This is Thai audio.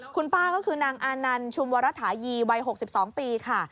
คุณป้าก็คือนางอานันต์ชุมวรฐานีวัย๖๒ปีค่ะ